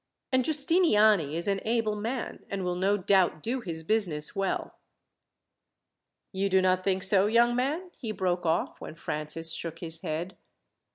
And Giustiniani is an able man, and will no doubt do his business well. "You do not think so, young man?" he broke off, when Francis shook his head.